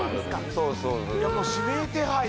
そうそう。